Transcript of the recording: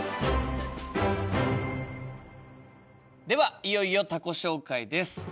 ではいよいよ他己紹介です。